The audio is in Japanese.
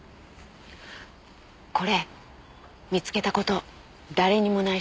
これ見つけた事誰にも内緒よ。